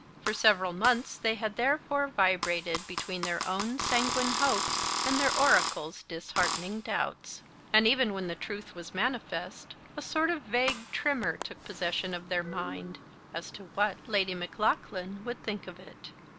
For several months they had therefore vibrated between their own sanguine hopes and their oracle's disheartening doubts; and even when the truth was manifest, a sort of vague tremor took possession of their mind, as to what Lady Maclaughlan would think of it.